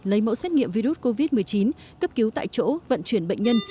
lấy mẫu xét nghiệm virus covid một mươi chín cấp cứu tại chỗ vận chuyển bệnh nhân